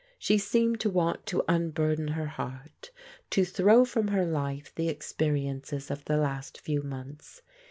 She seemed to want to unburden her heart, to throw from her life the experi ences of the last few months.